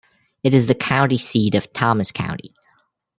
It is the county seat of Thomas County.